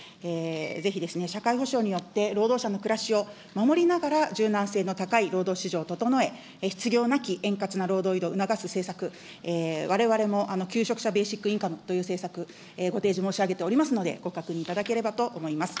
ぜひですね、社会保障によって、労働者の暮らしを守りながら柔軟性の高い労働市場を整え、失業なき円滑な労働移動を促す政策、われわれも求職者ベーシックインカムという政策、ご提示申し上げておりますので、ご確認いただければと思います。